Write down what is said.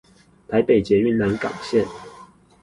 台北捷運南港線